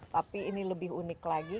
tapi ini lebih unik lagi